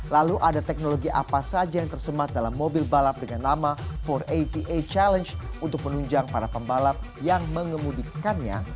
lalu ada teknologi apa saja yang tersemat dalam mobil balap dengan nama empat delapan challenge untuk menunjang para pembalap yang mengemudikannya